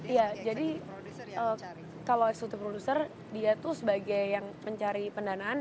iya jadi kalau security produser dia tuh sebagai yang mencari pendanaan